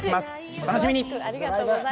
お楽しみに！